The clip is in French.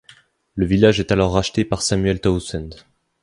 Le village est alors racheté par Samuel Towsend.